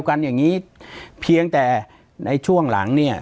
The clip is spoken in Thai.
ปากกับภาคภูมิ